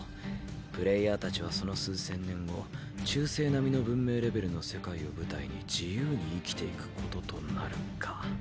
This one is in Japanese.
プレイヤーたちはその数千年後中世並みの文明レベルの世界を舞台に自由に生きていくこととなる」か。